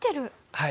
はい。